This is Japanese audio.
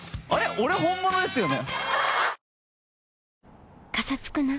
俺本物ですよね？